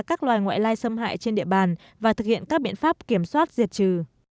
các loài ngoại lai xâm hại trên địa bàn và thực hiện các biện pháp kiểm soát diệt trừ